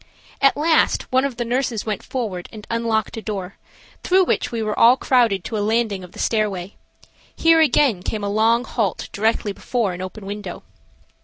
At last one of the nurses went forward and unlocked a door, through which we all crowded to a landing of the stairway. Here again came a long halt directly before an open window.